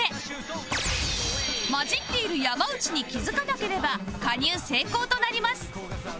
交じっている山内に気付かなければ加入成功となります